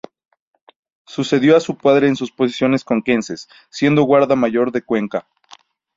Sucedió a su padre en sus posesiones conquenses, siendo Guarda Mayor de Cuenca.